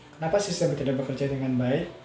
kenapa sistem tidak bekerja dengan baik